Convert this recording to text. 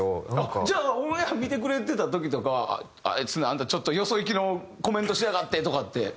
じゃあオンエア見てくれてた時とかあいつなんかよそ行きのコメントしやがってとかって？